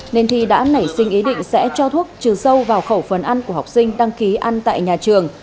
nên thi đã nảy sinh ý định sẽ cho thuốc trừ sâu vào khẩu phần ăn của học sinh đăng ký ăn tại nhà trường